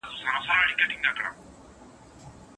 نقيب خو د لفظونو بغاوت خاورې ايرې کړ.